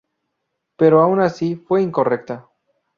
Pero aun así fue incorrecta.